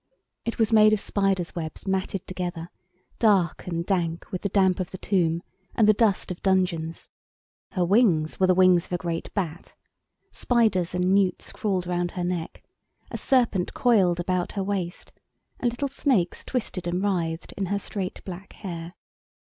It was made of spiders' webs matted together, dark and dank with the damp of the tomb and the dust of dungeons. Her wings were the wings of a great bat; spiders and newts crawled round her neck; a serpent coiled about her waist and little snakes twisted and writhed in her straight black hair.